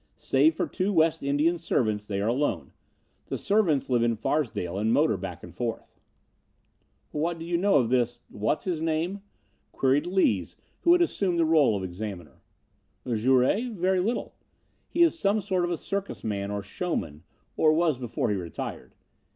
Save for two West Indian servants, they are alone. The servants live in Farsdale and motor back and forth." "What do you know of this what's his name?" queried Lees, who had assumed the role of examiner. "Jouret? Very little. He is some sort of a circus man or showman, or was before he retired.